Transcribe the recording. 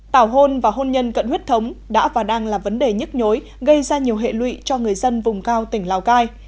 tảo hôn và hôn nhân cận huyết thống đã và đang là vấn đề nhức nhối gây ra nhiều hệ lụy cho người dân vùng cao tỉnh lào cai